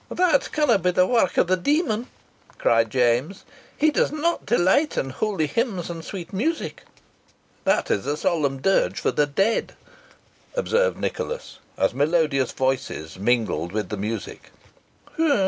"That canna be the wark o' the deil," cried James. "He does not delight in holy hymns and sweet music." "That is a solemn dirge for the dead," observed Nicholas, as melodious voices mingled with the music.